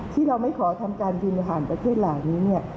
ที่เราไม่ขอทำการบินผ่านประเทศเหล่านี้เนี่ย